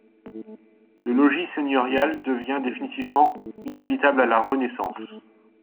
Le logis seigneurial devient définitivement inhabitable à la Renaissance.